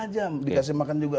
lima jam dikasih makan juga